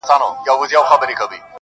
• مري ارمان مي له بدنه یې ساه خېژي..